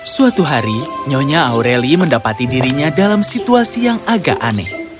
suatu hari nyonya aureli mendapati dirinya dalam situasi yang agak aneh